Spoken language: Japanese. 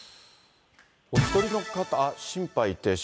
お１人お方、心肺停止。